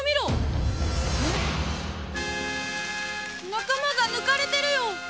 仲間が抜かれてるよ！